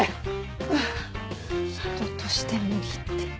人として無理って。